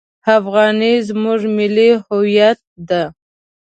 افغانۍ زموږ ملي هویت ده!